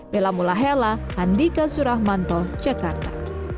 bela mullah hela handika suramanto jakarta